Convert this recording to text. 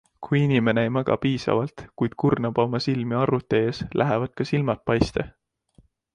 Kui inimene ei maga piisavalt, kuid kurnab oma silmi arvuti ees, lähevad ka silmad paiste.